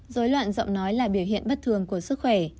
dối loạn giọng nói là biểu hiện bất thường của sức khỏe